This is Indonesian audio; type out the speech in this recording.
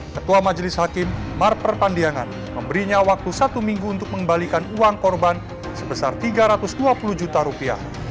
ketua majelis hakim marper pandiangan memberinya waktu satu minggu untuk mengembalikan uang korban sebesar tiga ratus dua puluh juta rupiah